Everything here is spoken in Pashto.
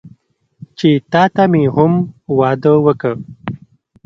چې تاته مې هم واده وکړ.